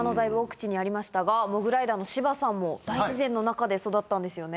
モグライダーの芝さんも大自然の中で育ったんですよね。